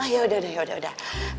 yaudah yaudah yaudah